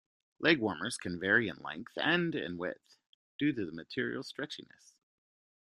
Leg warmers can vary in length, and in width, due to the material's stretchiness.